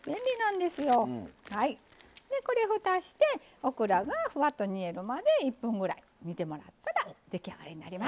これふたしてオクラがふわっと煮えるまで１分ぐらい煮てもらったら出来上がりになります。